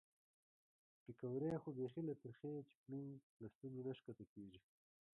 پیکورې خو بیخي له ترخې چکنۍ له ستوني نه ښکته کېږي.